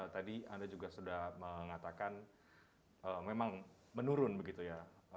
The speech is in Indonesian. tadi anda juga sudah mengatakan memang menurun begitu ya